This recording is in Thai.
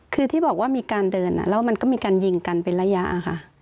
คือที่บอกว่ามีการเดินแล้วมันก็มีการยิงกันเป็นระยะค่ะ